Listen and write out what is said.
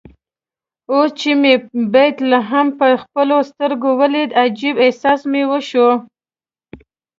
اوس چې مې بیت لحم په خپلو سترګو ولید عجيب احساس مې وشو.